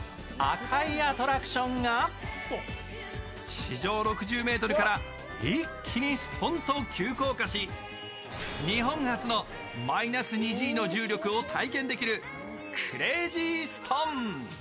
地上６０ｍから一気にストンと急降下し日本初のマイナス２Ｇの重力を体験できるクレージーストン。